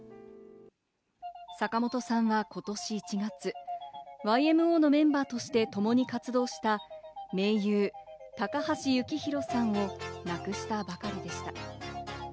坂本さんは今年１月、ＹＭＯのメンバーとしてともに活動した盟友・高橋幸宏さんを亡くしたばかりでした。